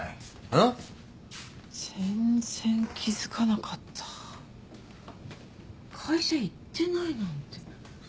全然気付かなかった会社行ってないなんて。